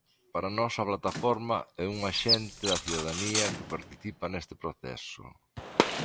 Para nós a plataforma é un axente da cidadanía que participa neste proceso.